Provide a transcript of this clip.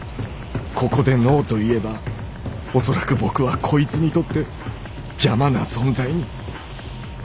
ここでＮＯと言えば恐らく僕はこいつにとって邪魔な存在に。